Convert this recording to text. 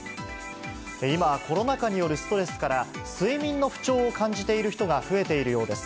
今、コロナ禍によるストレスから睡眠の不調を感じている人が増えているようです。